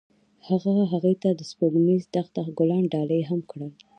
هغه هغې ته د سپوږمیز دښته ګلان ډالۍ هم کړل.